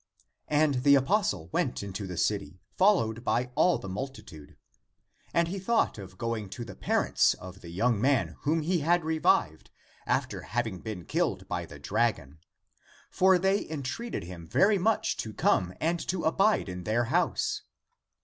And the apostle went into the city, followed by all the multitude. And he thought of going to the parents of the young man whom he had revived, after having been killed by the dragon. For they entreated him very much to come and to abide in their house.